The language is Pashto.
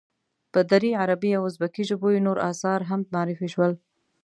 په دري، عربي او ازبکي ژبو یې نور آثار هم معرفی شول.